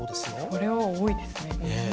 それは多いですね。